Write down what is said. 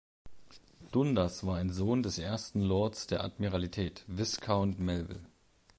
Dundas war ein Sohn des Ersten Lords der Admiralität, Viscount Melville.